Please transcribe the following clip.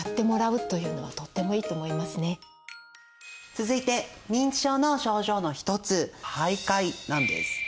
続いて認知症の症状の一つ徘徊なんです。